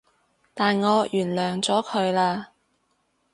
但我原諒咗佢喇